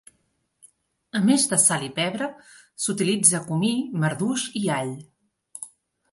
A més de sal i pebre, s"utilitza comí, marduix i all.